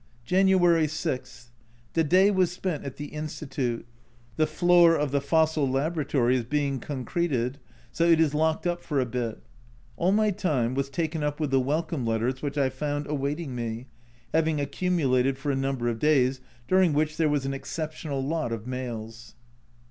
January 6. The day was spent at the Institute : the floor of the fossil laboratory is being concreted, so it is locked up for a bit. All my time was taken up with the welcome letters which I found awaiting me, having accumulated for a number of days, during which there was an exceptional lot of mails.